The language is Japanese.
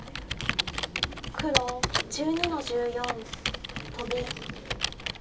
黒１２の十四トビ。